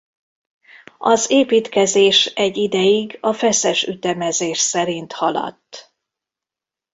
Az építkezés egy ideig a feszes ütemezés szerint haladt.